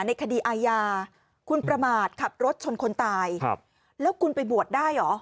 ในคดีอาญาคุณประมาทขับรถชนคนตายแล้วคุณไปบวชได้เหรอ